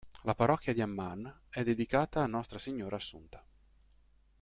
La parrocchia di Amman è dedicata a Nostra Signora Assunta.